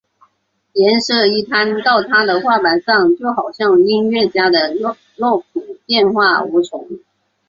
颜色一摊到他的画板上就好像音乐家的乐谱变化无穷！